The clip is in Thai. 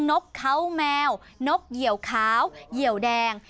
นกเขาแมวนกเหยียวขาวเหยียวแดง